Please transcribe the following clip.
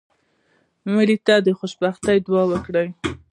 مړه ته د خوشبختۍ دعا وکړه